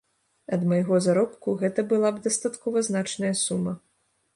Для майго заробку гэта была б дастаткова значная сума.